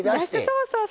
そうそう。